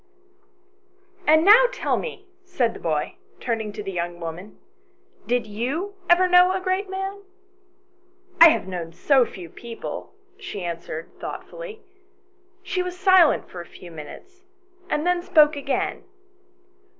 II. "AND now tell me," said the boy, turning to the young woman, " did you ever know a great man ?"" I have known so few people," she answered, thoughtfully. She was silent for a few minutes, and then spoke again.